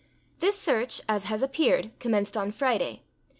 This search, as has appeared, commenced on Friday.